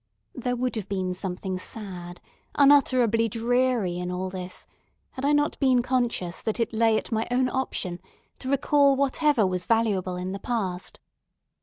There would have been something sad, unutterably dreary, in all this, had I not been conscious that it lay at my own option to recall whatever was valuable in the past.